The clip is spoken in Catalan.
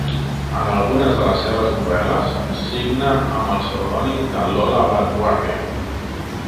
En algunes de les seves novel·les signa amb el pseudònim de Lola Van Guàrdia.